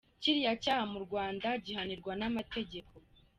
Kiriya cyaha mu Rwanda gihanirwa n’amategeko.